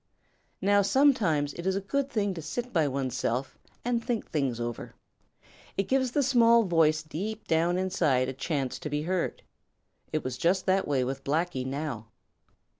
Now sometimes it is a good thing to sit by oneself and think things over. It gives the little small voice deep down inside a chance to be heard. It was just that way with Blacky now.